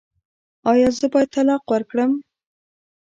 ایا زه باید طلاق ورکړم؟